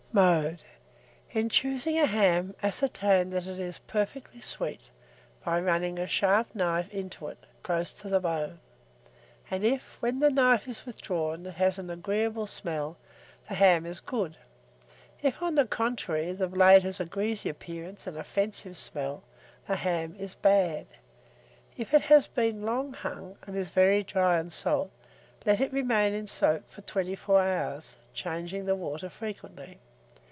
Mode. In choosing a ham, ascertain that it is perfectly sweet, by running a sharp knife into it, close to the bone; and if, when the knife is withdrawn, it has an agreeable smell, the ham is good; if, on the contrary, the blade has a greasy appearance and offensive smell, the ham is bad. If it has been long hung, and is very dry and salt, let it remain in soak for 24 hours, changing the water frequently.